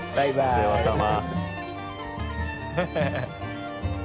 お世話さま。